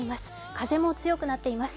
風も強くなっています。